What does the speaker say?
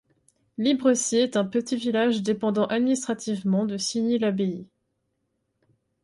Librecy est un petit village dépendant administrativement de Signy-l'Abbaye.